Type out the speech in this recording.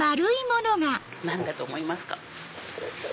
何だと思いますか？